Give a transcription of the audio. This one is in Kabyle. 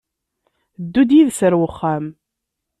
Ddu-d yid-s ɣer uxxam!